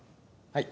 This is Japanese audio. はい。